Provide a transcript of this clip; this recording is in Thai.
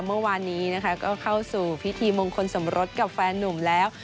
เมื่อวานนี้นะคะก็เข้าสู่พิธีมงคลสมรสกับแฟนนุ่มแล้ว